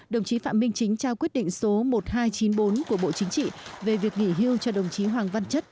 đồng chí phạm minh chính trao quyết định số một nghìn hai trăm chín mươi bốn của bộ chính trị về việc nghỉ hưu cho đồng chí hoàng văn chất